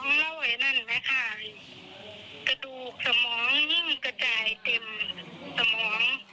กล้ามแน่นค่ะหมอบอกค่ะทำใจกล้ามกล้ามสมอง